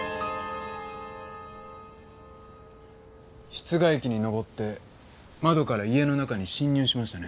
室外機に上って窓から家の中に侵入しましたね？